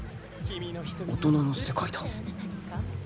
大人の世界だ